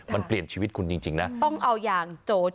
มันเปลี่ยนชีวิตคุณจริงนะต้องเอายางโจร